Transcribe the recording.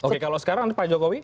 oke kalau sekarang pak jokowi